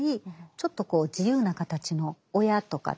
ちょっとこう自由な形の親とかね